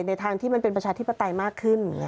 ทางที่มันเป็นประชาธิปไตยมากขึ้น